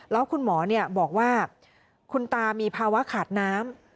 แล้วคุณหมอบอกว่าคุณตามีภาวะขาดน้ำ